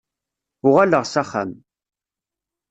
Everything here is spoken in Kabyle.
Uɣaleɣ s axxam.